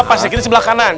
pak stigiti di sebelah kanan